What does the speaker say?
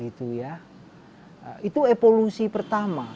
itu evolusi pertama